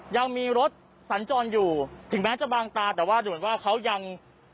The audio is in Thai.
ยังมีรถสัญจรอยู่ถึงแม้จะบางตาแต่ว่าดูเหมือนว่าเขายัง